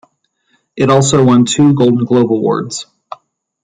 It also won two Golden Globe awards.